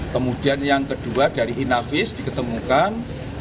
kemudian yang kedua dari inavis diketemukan